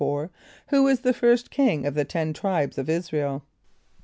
= Who was the first king of the Ten Tribes of [)I][s+]´ra el?